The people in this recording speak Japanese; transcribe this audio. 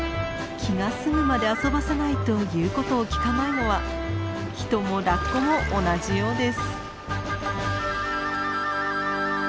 気が済むまで遊ばせないと言うことを聞かないのは人もラッコも同じようです。